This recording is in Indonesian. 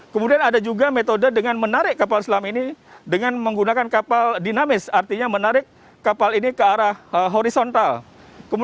kemudian ada juga metode dengan menarik kapal selam